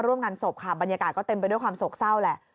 ร่วมงานศพค่ะบรรยากาศก็เต็มไปด้วยความโศกเศร้าแหละ